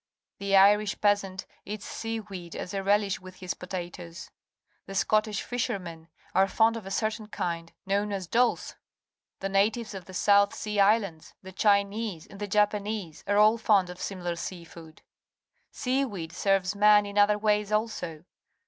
The Irish peasant eats sea weed as a relish with his potatoes. The Scottish fishermen are fond of a certain kind, known as dulse. The natives of the South Sea Islands, the Chinese, and the Japanese are all fond of similar sea food. Sfia weed serves man in other ways also.